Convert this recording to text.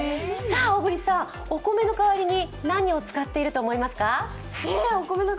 小栗さん、お米の代わりに何を使っていると思いますか？